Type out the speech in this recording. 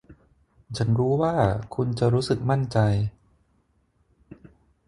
ฉันรู้ว่าคุณจะรู้สึกมั่นใจ